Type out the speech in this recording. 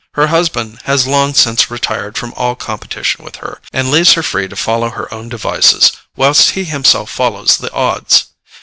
Her husband has long since retired from all competition with her, and leaves her free to follow her own devices, whilst he himself follows the odds.